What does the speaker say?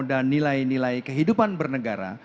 dan nilai nilai kehidupan bernegara